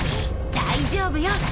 大丈夫よ。